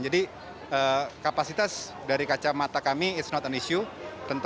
jadi kapasitas dari kacamata kami is not an issue